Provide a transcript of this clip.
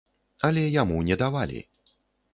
Але яму не давалі.